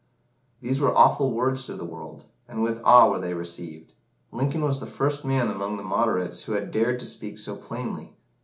These were awful words to the world, and with awe were they received. Lincoln was the first man among the "moderates" who had dared to speak so plainly.